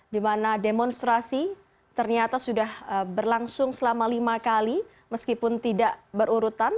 di mana demonstrasi ternyata sudah berlangsung selama lima kali meskipun tidak berurutan